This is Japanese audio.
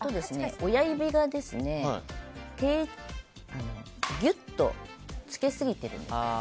親指がギュッとつきすぎてるんです。